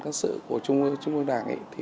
cân sự của trung ương đảng